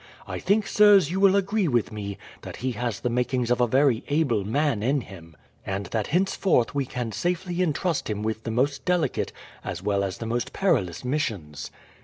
I think, sirs, you will agree with me that he has the makings of a very able man in him, and that henceforth we can safely intrust him with the most delicate as well as the most perilous missions."